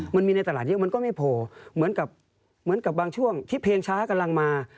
มันมีในตลาดเยอะมันก็ไม่พอเหมือนกับเหมือนกับบางช่วงที่เพลงช้ากำลังมา